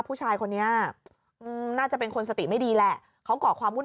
ผู้ชายคนนี้น่าจะเป็นคนสติไม่ดีแหละเขาก่อความวุ่น